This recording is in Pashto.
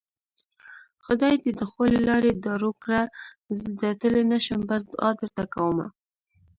خدای دې د خولې لاړې دارو کړه زه درتلی نشم بس دوعا درته کوومه